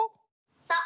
そう！